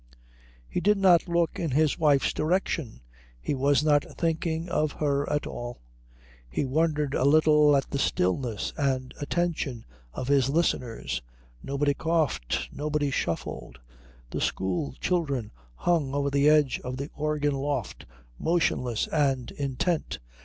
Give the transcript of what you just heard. He did not look in his wife's direction. He was not thinking of her at all. He wondered a little at the stillness and attention of his listeners. Nobody coughed. Nobody shuffled. The school children hung over the edge of the organ loft, motionless and intent.